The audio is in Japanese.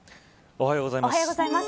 おはようございます。